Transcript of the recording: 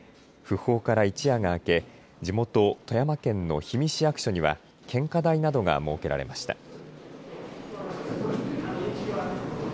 訃報から一夜が明け地元、富山県の氷見市役所には献花台などが設けられました。